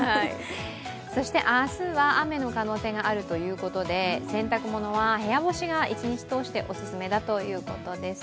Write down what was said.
そして明日は、雨の可能性があるということで洗濯物は部屋干しが一日通してお勧めです。